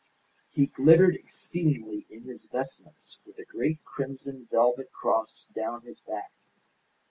He glittered exceedingly in his vestments with a great crimson velvet cross down his back.